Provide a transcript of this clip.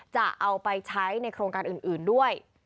จะเอาไปใช้ในโครงการอื่นด้วย